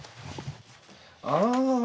ああ。